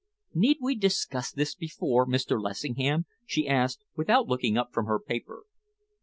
"Need we discuss this before Mr. Lessingham?" she asked, without looking up from her paper.